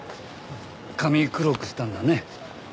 髪黒くしたんだね。